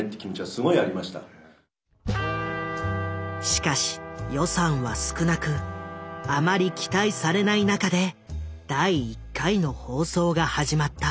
しかし予算は少なくあまり期待されない中で第１回の放送が始まった。